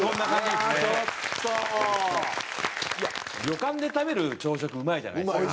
旅館で食べる朝食うまいじゃないですか。